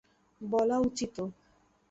বলা উচিতও!